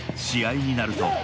試合になると。